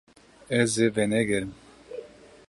Ez ê venegerim.